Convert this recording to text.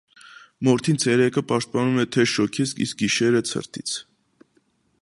Մորթին ցերեկը պաշտպանում է թեժ շոգից, իսկ գիշերը՝ ցրտից։